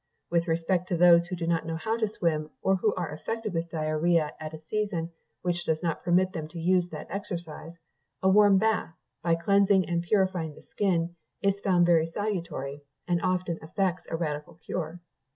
With respect to those who do not know how to swim, or who are affected with diarrhoea at a season which does not permit them to use that exercise, a warm bath, by cleansing and purifying the skin, is found very salutary, and often effects a radical cure.